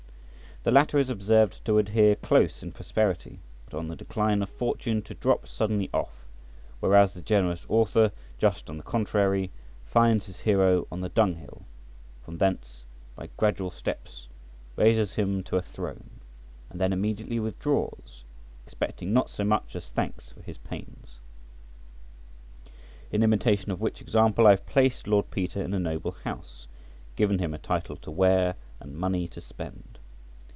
The latter is observed to adhere close in prosperity, but on the decline of fortune to drop suddenly off; whereas the generous author, just on the contrary, finds his hero on the dunghill, from thence, by gradual steps, raises him to a throne, and then immediately withdraws, expecting not so much as thanks for his pains; in imitation of which example I have placed Lord Peter in a noble house, given him a title to wear and money to spend.